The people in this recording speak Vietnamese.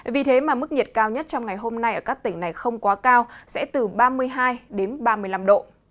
vì thế mà mức nhiệt cao nhất trong ngày hôm nay ở các tỉnh này không quá cao sẽ từ ba mươi hai đến ba mươi năm độ